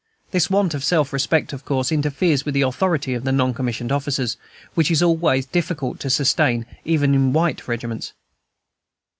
This want of self respect of course interferes with the authority of the non commissioned officers, which is always difficult to sustain, even in white regiments.